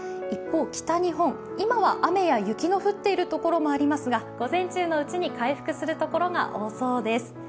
一方、北日本、今は雨や雪の降っているところもありますが午前中のうちに回復するところが多そうです。